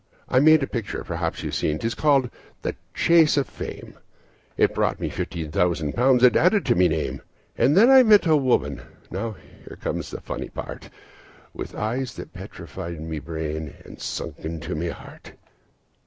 "I made a picture perhaps you've seen, 'tis called the `Chase of Fame.' It brought me fifteen hundred pounds and added to my name, And then I met a woman now comes the funny part With eyes that petrified my brain, and sunk into my heart.